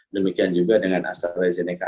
demikian juga dengan astrazeneca